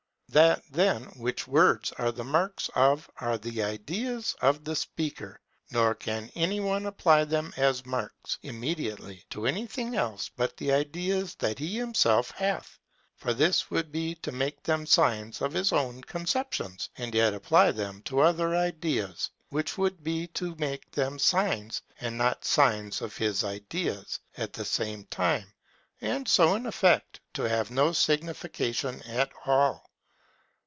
That then which words are the marks of are the ideas of the speaker: nor can any one apply them as marks, immediately, to anything else but the ideas that he himself hath: for this would be to make them signs of his own conceptions, and yet apply them to other ideas; which would be to make them signs and not signs of his ideas at the same time; and so in effect to have no signification at all.